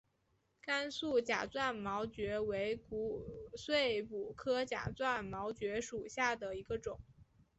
甘肃假钻毛蕨为骨碎补科假钻毛蕨属下的一个种。